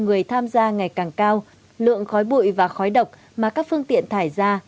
người tham gia ngày càng cao lượng